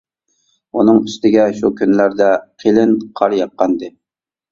ئۇنىڭ ئۈستىگە، شۇ كۈنلەردە قېلىن قار ياققانىدى.